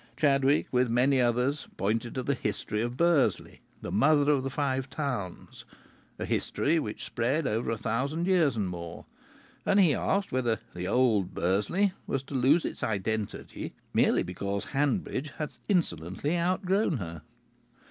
Chadwick, with many others, pointed to the history of Bursley, "the mother of the Five Towns," a history which spread over a thousand years and more; and he asked whether "old Bursley" was to lose her identity merely because Hanbridge had insolently outgrown her.